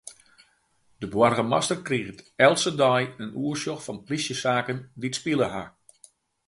De boargemaster kriget elke dei in oersjoch fan plysjesaken dy't spile ha.